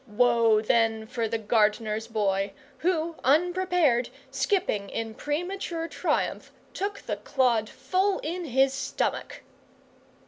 Woe then for the gardener's boy, who, unprepared, skipping in premature triumph, took the clod full in his stomach!